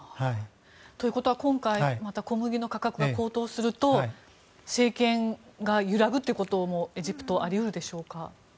ということは今回また小麦の価格が高騰すると政権が揺らぐということもエジプト、あり得るでしょうか。